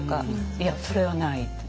いやそれはない。